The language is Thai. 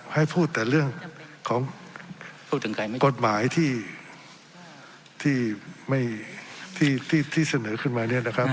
ให้พูดแต่เรื่องของกฎหมายที่เสนอขึ้นมาเนี่ยนะครับ